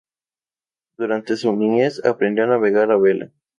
Durante su niñez aprendió a navegar a vela.